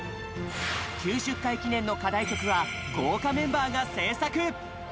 ９０回記念の課題曲は豪華メンバーが制作。